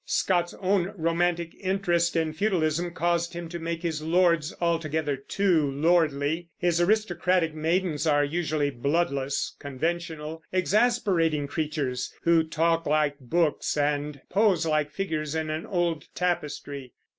Scott's own romantic interest in feudalism caused him to make his lords altogether too lordly; his aristocratic maidens are usually bloodless, conventional, exasperating creatures, who talk like books and pose like figures in an old tapestry.